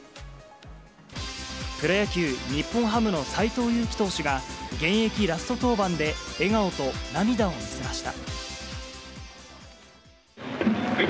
プロ野球・日本ハムの斎藤佑樹投手が、現役ラスト登板で笑顔と涙を見せました。